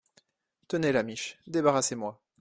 Tenez, Lamiche, débarrassez-moi.